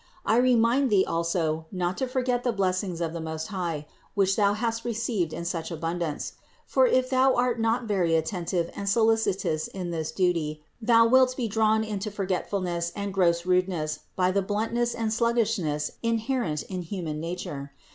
I remind thee also not to forget the blessings of the Most High, which thou hast received in such abundance; for if thou art not very attentive and solicitous in this duty, thou wilt be drawn into forgetful ness and gross rudeness by the bluntness and sluggishness inherent in the human nature.